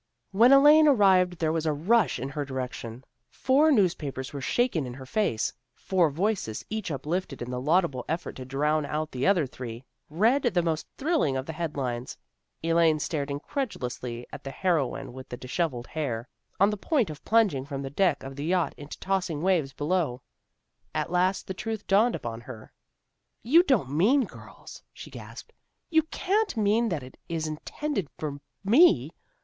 When Elaine arrived there was a rush in her direction. Four newspapers were shaken in her face. Four voices, each uplifted in the laudable effort to drown out the other three, read the most thrilling of the head lines. Elaine stared incredulously at the heroine with the dishevelled hair, on the point of plunging from the deck of the yacht into tossing AN UNEXPECTED VISITOR 337 waves below. At last the truth dawned upon her. " You don't mean, girls," she gasped, " you can't mean that it is intended for me.